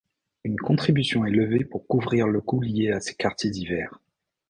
Une contribution est levée pour couvrir le coût lié à ces quartiers d'hiver.